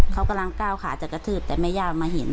เขากำลังก้าวขาจะกระทืบแต่แม่ย่ามาเห็น